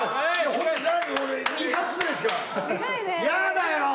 俺２発ぐらいしか嫌だよ！